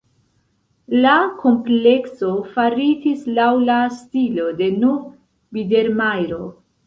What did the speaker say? La komplekso faritis laŭ la stilo de nov-bidermajro.